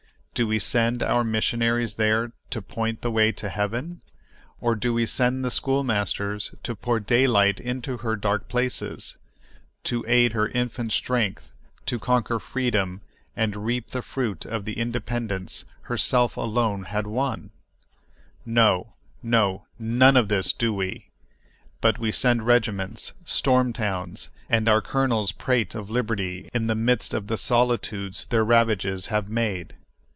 Do we send our missionaries there "to point the way to heaven?" Or do we send the schoolmasters to pour daylight into her dark places, to aid her infant strength to conquer freedom and reap the fruit of the independence herself alone had won? No, no, none of this do we! But we send regiments, storm towns, and our colonels prate of liberty in the midst of the solitudes their ravages have made.